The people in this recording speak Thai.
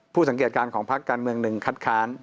สังเกตการณ์ของพักการเมืองหนึ่งคัดค้าน